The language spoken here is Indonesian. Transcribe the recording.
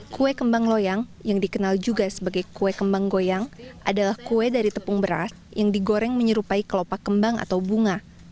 kue kembang loyang yang dikenal juga sebagai kue kembang goyang adalah kue dari tepung beras yang digoreng menyerupai kelopak kembang atau bunga